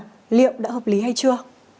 nghiệp đã hợp lý hay chưa